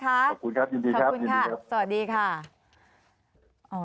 ขอบคุณครับยินดีครับยินดีครับสวัสดีค่ะ